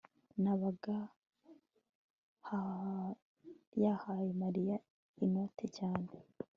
ndabaga yahaye mariya inoti cyane